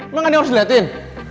emang ada yang harus diliatin